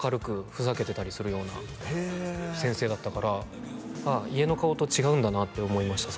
ふざけてたりするような先生だったからああ家の顔と違うんだなって思いました